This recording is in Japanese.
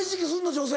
女性。